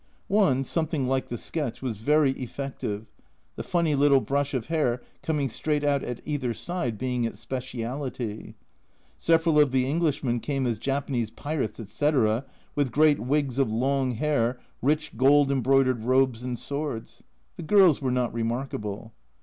One, something like the sketch, was very effective, the funny little brush of hair coming straight out at either side being its speciality. Several of the Englishmen came as Japanese pirates, etc., with great wigs of long hair, rich gold embroidered robes and swords ; the girls were not remarkable.